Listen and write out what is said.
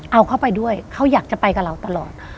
เอาเข้าไปด้วยเขาอยากจะไปกับเราตลอด